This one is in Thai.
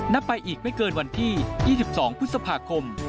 ไปอีกไม่เกินวันที่๒๒พฤษภาคม